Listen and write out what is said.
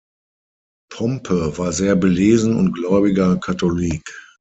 Pompe war sehr belesen und gläubiger Katholik.